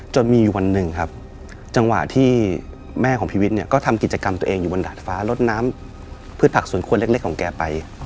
จนมีวันหนึ่งครับจังหวะที่แม่ของพีวิทย์เนี่ยก็ทำกิจกรรมตัวเองอยู่บนดาดฟ้าลดน้ำพืชผักสวนครัวเล็กของแกไป